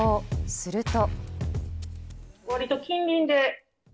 すると。